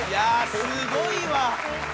すごいわ。